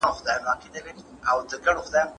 د ليري، ليري څه چي تا وينمه خونـد راكوي